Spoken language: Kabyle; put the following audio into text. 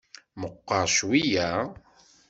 Meqqer cweyya?